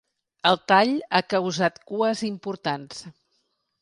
El tall ha causat cues importants.